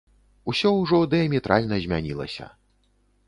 Усё ўжо дыяметральна змянілася.